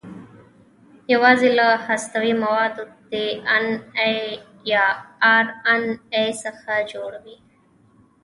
یواځې له هستوي موادو ډي ان اې یا ار ان اې څخه جوړ وي.